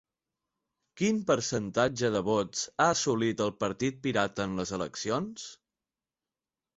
Quin percentatge de vots ha assolit el Partit Pirata en les eleccions?